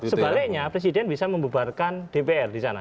sebaliknya presiden bisa membubarkan dpr di sana